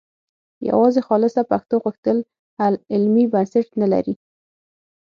یوازې خالصه پښتو غوښتل علمي بنسټ نه لري